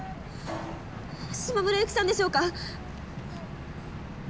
島村由希さんでしょうか？